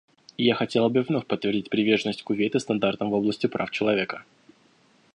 И я хотела бы вновь подтвердить приверженность Кувейта стандартам в области прав человека.